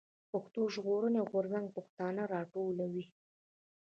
پښتون ژغورني غورځنګ پښتانه راټولوي.